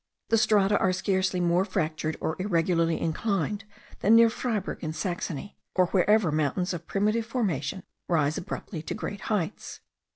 The strata are scarcely more fractured or irregularly inclined than near Freyburg in Saxony, or wherever mountains of primitive formation rise abruptly to great heights.